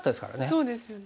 そうですよね。